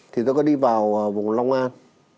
thì tôi có đi vào vùng long an